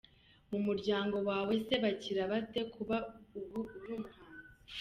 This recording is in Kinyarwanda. Mu muryango wawe se bakira bate kuba ubu uri umuhanzi?.